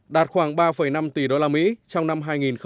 đạt khoảng ba năm tỷ usd trong năm hai nghìn một mươi bảy